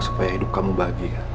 supaya hidup kamu bahagia